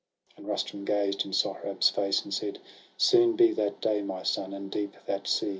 And Rustum gazed in Sohrab's face, and said :—' Soon be that day, my son, and deep that sea